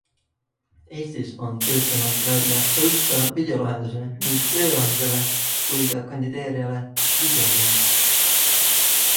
Eestis on töötanud välja hõlpsa videolahenduse nii tööandjale kui ka kandideerijale Videolind.